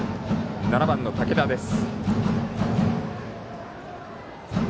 ７番の武田です。